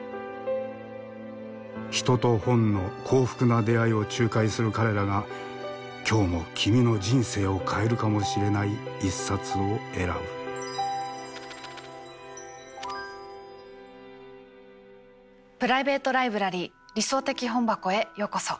人と本の幸福な出会いを仲介する彼らが今日も君の人生を変えるかもしれない一冊を選ぶプライベート・ライブラリー「理想的本箱」へようこそ。